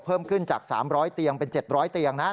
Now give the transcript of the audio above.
เพิ่มขึ้นจาก๓๐๐เตียงเป็น๗๐๐เตียงนะ